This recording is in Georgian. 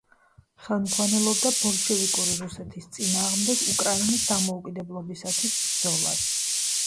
ხელმძღვანელობდა ბოლშევიკური რუსეთის წინააღმდეგ უკრაინის დამოუკიდებლობისთვის ბრძოლას.